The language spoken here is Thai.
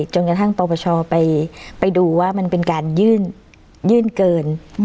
จนกระทั่งปปชไปดูว่ามันเป็นการยื่นเกิน